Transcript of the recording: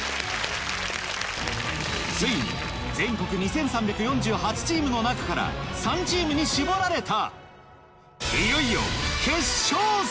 ついに全国２３４８チームの中から３チームに絞られた